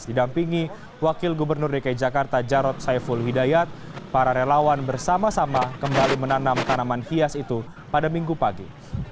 didampingi wakil gubernur dki jakarta jarod saiful hidayat para relawan bersama sama kembali menanam tanaman hias itu pada minggu pagi